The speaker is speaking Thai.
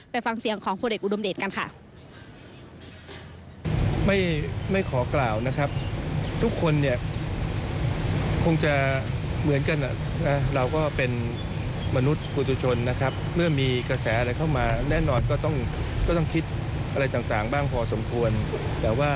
ฟังเสียงของพลเอกอุดมเดชกันค่ะ